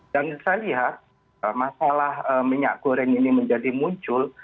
dan saya lihat masalah minyak goreng ini menjadi muncul